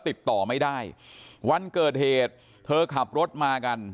ติดต่อไม่ได้วันเกิดเหตุเธอขับรถมากัน